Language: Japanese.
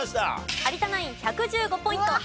有田ナイン１１５ポイントＤＡＩＧＯ